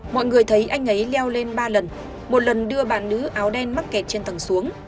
mọi người thấy anh ấy leo lên ba lần một lần đưa bà nữ áo đen mắc kẹt trên tầng xuống